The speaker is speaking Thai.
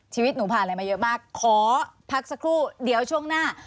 ชีวิตหนูผ่านอะไรมาเยอะมากขอพักสักครู่เดี๋ยวช่วงหน้า